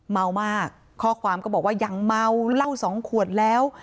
เมามากข้อความก็บอกว่ายังเมาเหล้าสองขวดแล้ว